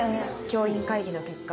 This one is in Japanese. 教員会議の結果